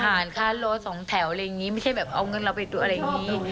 ค่าโลสองแถวอะไรอย่างนี้ไม่ใช่แบบเอาเงินเราไปตัวอะไรอย่างนี้